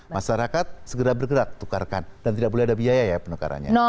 masyarakat segera bergerak tukarkan dan tidak boleh ada biaya ya penukarannya